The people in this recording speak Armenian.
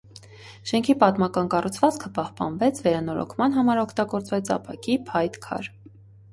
Շենքի պատմական կառուցվածքը պահպանվեց, վերանորոգման համար օգտագործվեց ապակի, փայտ, քար։